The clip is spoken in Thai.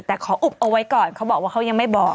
แต่ขออุบเอาไว้ก่อนเขาบอกว่าเขายังไม่บอก